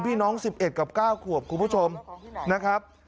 ๑๑กับ๙ขวบคุณผู้ชมนะครับ